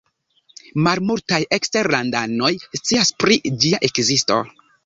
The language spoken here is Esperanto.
Malmultaj eksterlandanoj scias pri ĝia ekzisto.